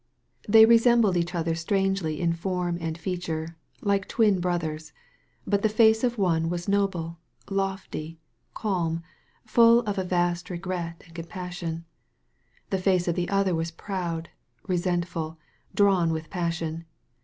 They resembled each other strangely in form and feature — Uke twin brothers. But the face of one was noble, lofty, calm, full of a vast regret and compassion. The face of the other was proud, re sentful, drawn with passion.